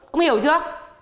ông hiểu chưa